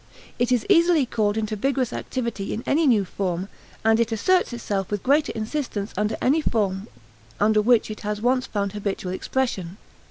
It is easily called into vigorous activity in any new form, and it asserts itself with great insistence under any form under which it has once found habitual expression.